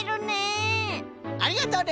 ありがとね！